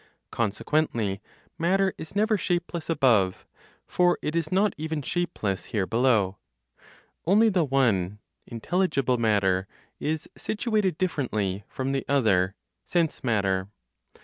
Consequently, matter is never shapeless above; for it is not even shapeless here below. Only the one (intelligible matter) is situated differently from the other (sense matter).